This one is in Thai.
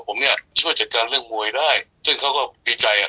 ผมนี่ช่วยจัดการเรื่องมวยได้จึงเขาก็บริจัยอ่า